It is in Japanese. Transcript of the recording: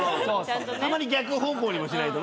たまに逆方向にもしないとね。